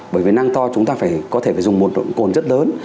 bởi vì nang to chúng ta phải có thể phải dùng một độ cồn rất lớn